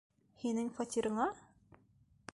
Һинең фатирыңа?